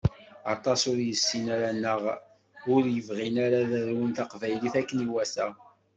Aṭas ur yessinen ara neɣ ur yebɣin ara ad arun taqbaylit akken i iwata